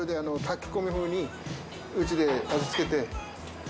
炊き込み風にうちで味付けて。